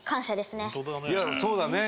そうだね。